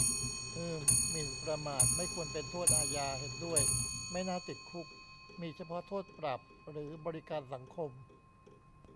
อืม หมิ่นประมาทไม่ควรเป็นโทษอาญา เห็นด้วย ไม่น่าติดคุก มีเฉพาะโทษปรับหรือบริการสังคม